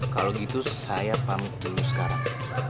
kalau gitu saya pamit dulu sekarang